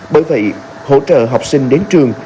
bởi vậy hỗ trợ học sinh đến trường